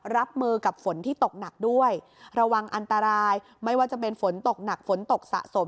รับมือกับฝนที่ตกหนักด้วยระวังอันตรายไม่ว่าจะเป็นฝนตกหนักฝนตกสะสม